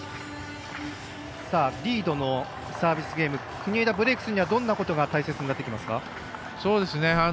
リードのサービスゲームブレークするにはどんなことが大切になってきますか？